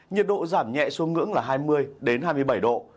nhiệt độ giảm nhẹ xuống ngưỡng là hai mươi hai mươi bảy độ